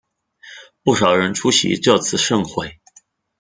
不少人出席这次盛会。